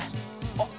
あっ！